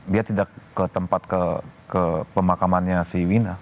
dia tidak ke tempat ke pemakamannya si wina